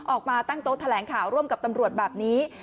ออกมาตั้งโต๊ะแถลงข่าวร่วมกับตำรวจแบบนี้